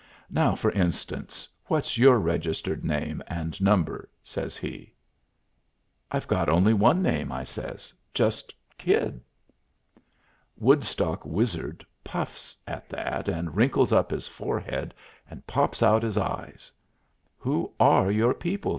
Now, for instance, what's your registered name and number?" says he. "I've got only one name," I says. "Just Kid." Woodstock Wizard puffs at that and wrinkles up his forehead and pops out his eyes. "Who are your people?"